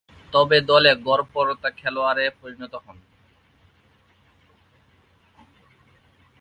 তবে দলে গড়পড়তা খেলোয়াড়ে পরিণত হন।